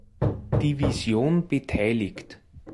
Division beteiligt.